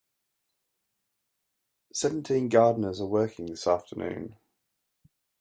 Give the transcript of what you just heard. Seventeen gardeners are working this afternoon.